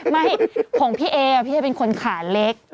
ไม่ของพี่เอพี่จะเป็นคนขาเล็ก